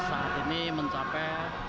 saat ini mencapai delapan puluh tujuh dua